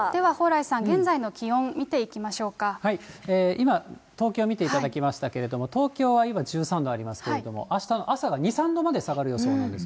今、東京見ていただきましたけれども、東京は今、１３度ありますけれども、あしたの朝が２、３度まで下がる予想なんです。